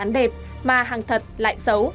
bán đẹp mà hàng thật lại xấu